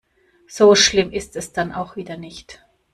So schlimm ist es dann auch wieder nicht.